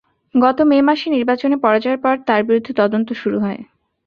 গত মে মাসে নির্বাচনে পরাজয়ের পর তাঁর বিরুদ্ধে তদন্ত শুরু হয়।